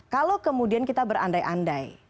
kalau kemudian kita berandai andai